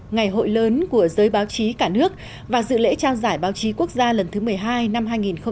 ngày hội lớn của giới báo chí cả nước và dự lễ trao giải báo chí quốc gia lần thứ một mươi hai năm hai nghìn một mươi chín